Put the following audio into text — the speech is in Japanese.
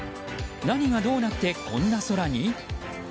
何がどうなって、こんな空に？